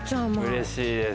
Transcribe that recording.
うれしいです。